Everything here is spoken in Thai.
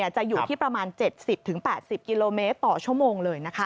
จะอยู่ที่ประมาณ๗๐๘๐กิโลเมตรต่อชั่วโมงเลย